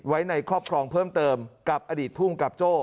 ไว้ในครอบครองเพิ่มเติมกับอดีตภูมิกับโจ้